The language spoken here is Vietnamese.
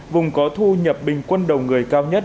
vùng có thu nhập bình quân đầu người cao nhất